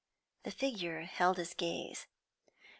The figure held his gaze.